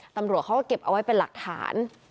ตำรวจเขาก็เก็บเอาไว้เป็นหลักฐาน